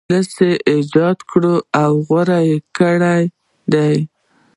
ولس یې ایجاد کړی او غوره کړی دی.